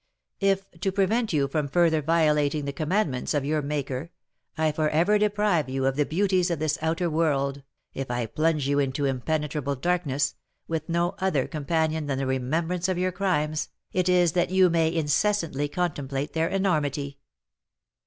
If, to prevent you from further violating the commandments of your Maker, I for ever deprive you of the beauties of this outer world, if I plunge you into impenetrable darkness, with no other companion than the remembrance of your crimes, it is that you may incessantly contemplate their enormity.